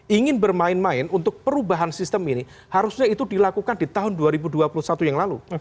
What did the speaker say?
ingin bermain main untuk perubahan sistem ini harusnya itu dilakukan di tahun dua ribu dua puluh satu yang lalu